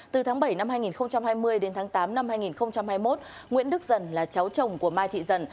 từ tháng bảy năm hai nghìn hai mươi đến tháng tám năm hai nghìn hai mươi một nguyễn đức dần là cháu chồng của mai thị dần